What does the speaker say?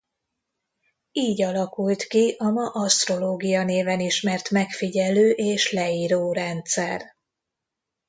Így alakult ki a ma asztrológia néven ismert megfigyelő és leíró rendszer.